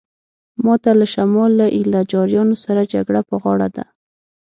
ماته له شمال له ایله جاریانو سره جګړه په غاړه ده.